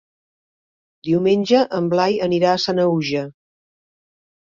Diumenge en Blai anirà a Sanaüja.